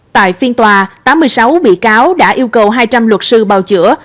tại phiên tòa tám mươi sáu bị cáo đã yêu cầu hai trăm linh luật sư bào chữa